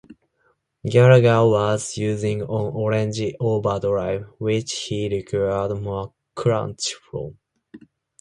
Gallagher was using an Orange Overdrive which he required more crunch from.